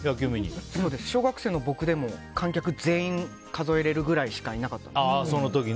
小学生の僕でも観客全員数えられるくらいしかいなかったんですね。